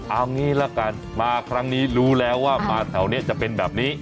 เอางี้ละกันมาครั้งนี้รู้แล้วว่ามาแถวนี้จะเป็นแบบนี้